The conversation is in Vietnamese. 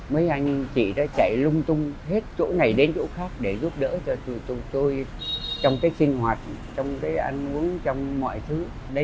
mấy anh chị đó chạy lung tung hết chỗ này đến chỗ khác để giúp đỡ cho tụi tôi trong cái sinh hoạt trong cái ăn uống trong mọi thứ